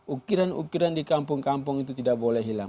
ukiran ukiran di kampung kampung itu tidak boleh hilang